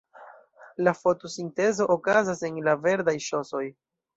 La fotosintezo okazas en la verdaj ŝosoj.